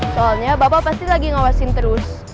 soalnya bapak pasti lagi ngawasin terus